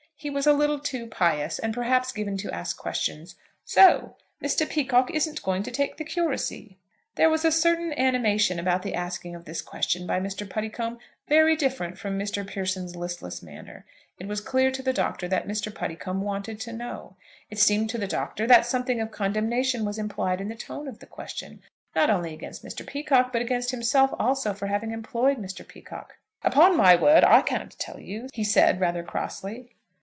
He was a little too pious, and perhaps given to ask questions. "So Mr. Peacocke isn't going to take the curacy?" There was a certain animation about the asking of this question by Mr. Puddicombe very different from Mr. Pearson's listless manner. It was clear to the Doctor that Mr. Puddicombe wanted to know. It seemed to the Doctor that something of condemnation was implied in the tone of the question, not only against Mr. Peacocke, but against himself also, for having employed Mr. Peacocke. "Upon my word I can't tell you," he said, rather crossly.